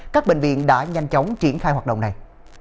các bệnh viện đã nhanh chóng triển khai hoạt động này